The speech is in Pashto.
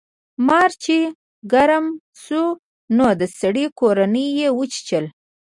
مار چې ګرم شو نو د سړي کورنۍ یې وچیچله.